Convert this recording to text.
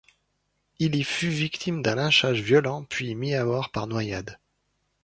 Il y fut victime d'un lynchage violent, puis mis à mort par noyade.